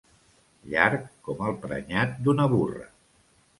Llarg com el prenyat d'una burra.